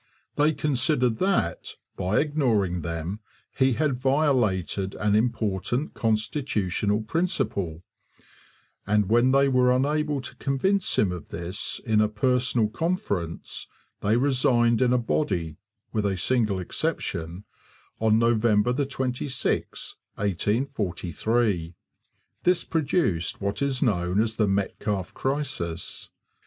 They considered that, by ignoring them, he had violated an important constitutional principle; and when they were unable to convince him cf this in a personal conference, they resigned in a body (with a single exception) on November 26, 1843. This produced what is known as the Metcalfe Crisis.